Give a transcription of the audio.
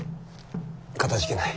かたじけない。